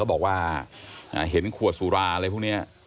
เขาบอกว่าอ่าเห็นขัวสุราอะไรพวกเนี้ย